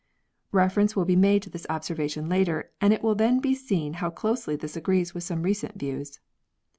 Reference will be made to this observation later, and it will then be seen how closely this agrees with some recent views.